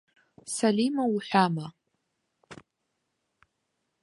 Салима уҳәама?